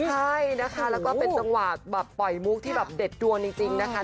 ใช่นะคะแล้วก็เป็นจังหวะแบบปล่อยมุกที่แบบเด็ดดวงจริงนะคะ